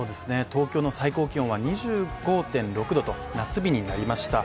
東京の最高気温は２５．６度と夏日になりました。